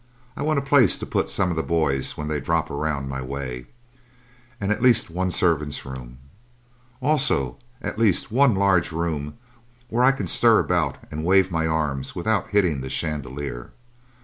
I want a place to put some of the boys when they drop around my way. And at least one servant's room. Also at least one large room where I can stir about and wave my arms without hitting the chandelier.